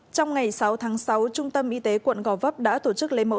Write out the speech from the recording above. trong ngày sáu tháng sáu trung tâm y tế quận gò vấp đã tổ chức lấy mẫu